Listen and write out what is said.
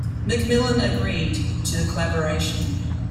McMillan agreed to the collaboration.